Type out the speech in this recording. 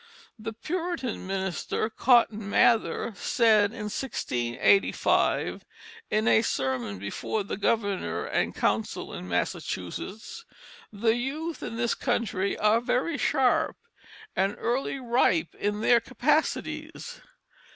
The Puritan minister, Cotton Mather, said in 1685, in a sermon before the Governor and Council in Massachusetts, "The Youth in this Country are verie Sharp and early Ripe in their Capacities."